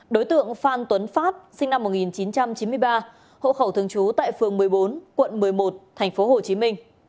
đối tượng phan tuấn phát sinh năm một nghìn chín trăm chín mươi ba hộ khẩu thường trú tại phường một mươi bốn quận một mươi một tp hcm